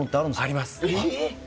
あります。